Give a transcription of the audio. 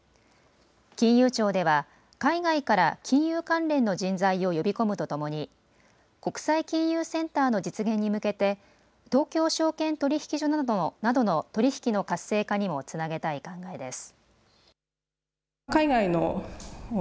金融庁では海外から金融関連の人材を呼び込むとともに国際金融センターの実現に向けて東京証券取引所などの取り引きの活性化にもつなげたい考えです。